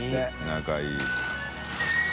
仲いい。